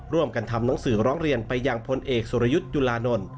ร่วมกันทำหนังสือร้องเรียนไปยังพลเอกสุรยุทธ์จุลานนท์